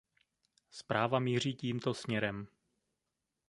Zpráva míří tímto směrem.